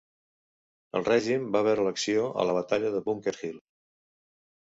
El regiment va veure l'acció a la batalla de Bunker Hill.